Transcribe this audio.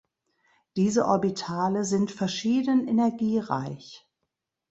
Diese Orbitale sind verschieden energiereich.